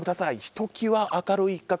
ひときわ明るい一角